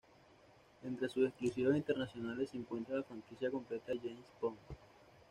Entre sus exclusivas internacionales se encuentra la franquicia completa de James Bond.